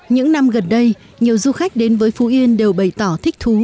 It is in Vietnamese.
những năm gần đây nhiều du khách đến với phú yên đều bày tỏ thích thú